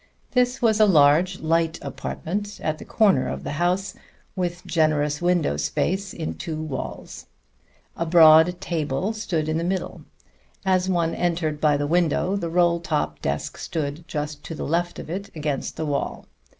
This was a large, light apartment at the corner of the house, with generous window space in two walls. A broad table stood in the middle. As one entered by the window the roll top desk stood just to the left of it against the wall.